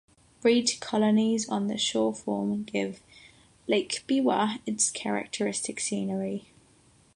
Reed colonies on the shore form give Lake Biwa its characteristic scenery.